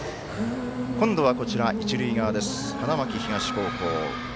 今度は一塁側、花巻東高校。